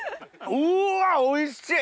うわおいしい！